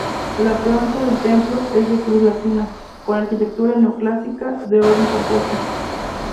La planta del templo es de cruz latina, con arquitectura neoclásica de orden compuesto.